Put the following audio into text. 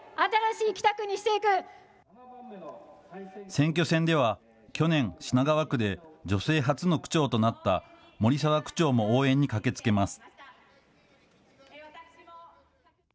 選挙戦では、去年、品川区で女性初の区長となった森澤区長も応援に駆けつけます。